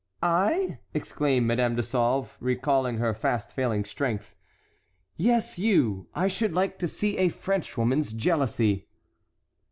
"I?" exclaimed Madame de Sauve, recalling her fast failing strength. "Yes, you! I should like to see a Frenchwoman's jealousy."